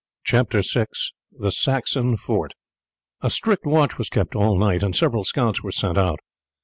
CHAPTER VI: THE SAXON FORT A strict watch was kept all night, and several scouts were sent out.